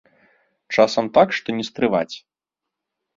Часам так, што не стрываць.